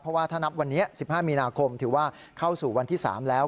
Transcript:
เพราะว่าถ้านับวันนี้๑๕มีนาคมถือว่าเข้าสู่วันที่๓แล้ว